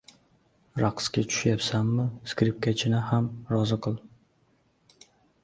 • Raqsga tushayapsanmi, skripkachini ham rozi qil.